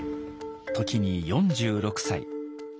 時に４６歳。